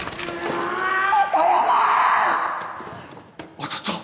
当たった？